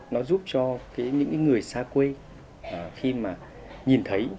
nó giúp cho những người xa quê khi mà nhìn thấy